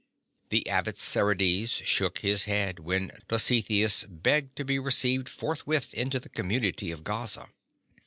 The Abbot Serides shook his head when Dositheus begged to be received forthwith into the community of Gaza.